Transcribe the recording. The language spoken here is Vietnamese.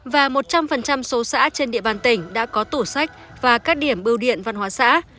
và một trăm linh số xã trên địa bàn tỉnh đã có tủ sách và các điểm bưu điện văn hóa xã